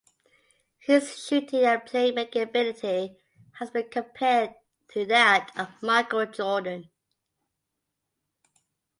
His shooting and play making ability has been compared to that of Michael Jordan.